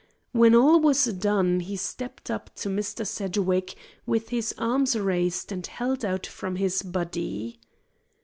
When all was done, he stepped up to Mr. Sedgwick, with his arms raised and held out from his body.